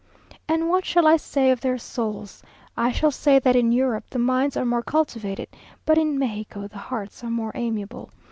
"And what shall I say of their souls? I shall say that in Europe the minds are more cultivated, but in Mexico the hearts are more amiable.